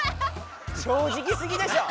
正直すぎでしょ！